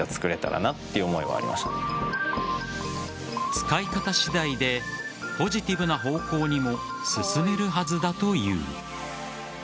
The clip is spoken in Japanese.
使い方次第でポジティブな方向にも進めるはずだという。